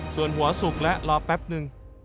ส่วนหัวสุกและรอแป๊บนึง